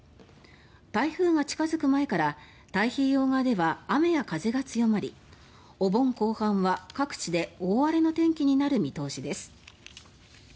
台風が近付く前から太平洋側では雨や風が強まりお盆後半は各地で大荒れの天気になる見通しです。